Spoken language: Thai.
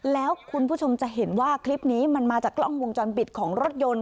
แล้วคุณผู้ชมจะเห็นว่าคลิปนี้มันมาจากกล้องวงจรปิดของรถยนต์